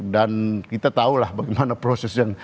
dan kita tahulah bagaimana proses yang